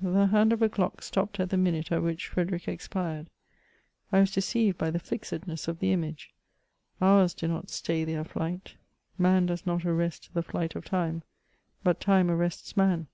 The hand of a clock stopped at the minute at which Frederick expired ; I was deceived by the fixedness of the image ; hours do not stay their flight ; man does not arrest the flight of time, but time arrests man.